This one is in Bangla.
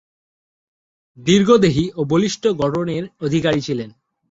দীর্ঘদেহী ও বলিষ্ঠ গড়নের অধিকারী ছিলেন।